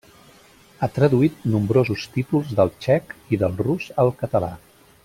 Ha traduït nombrosos títols del txec i del rus al català.